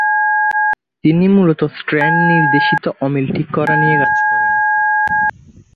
তিনি মূলত স্ট্র্যান্ড-নির্দেশিত অমিল ঠিক করা নিয়ে কাজ করেন।